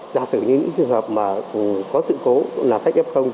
giả sử những trường hợp mà có sự cố là khách ép không